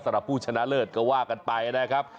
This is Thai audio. สำหรับผู้ชนะเลิศก็ว่ากันไปได้ครับ